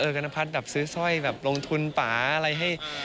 เออกันภัทรแบบซื้อสร้อยแบบลงทุนปลาอะไรให้